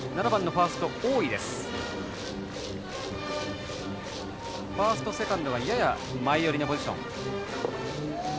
ファースト、セカンドがやや前寄りのポジション。